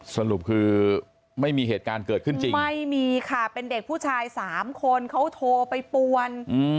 สรุปคือไม่มีเหตุการณ์เกิดขึ้นจริงไม่มีค่ะเป็นเด็กผู้ชายสามคนเขาโทรไปปวน